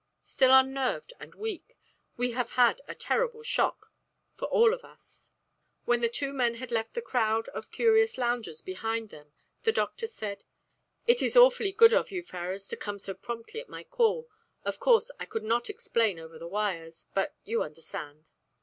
"Still unnerved and weak. We have had a terrible shock, for all of us." When the two men had left the crowd of curious loungers behind them the doctor said "It is awfully good of you, Ferrars, to come so promptly at my call. Of course, I could not explain over the wires. But, you understand."